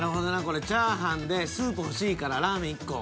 これ炒飯でスープ欲しいからラーメン１個。